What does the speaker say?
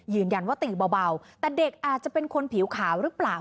ว่าตีเบาแต่เด็กอาจจะเป็นคนผิวขาวหรือเปล่า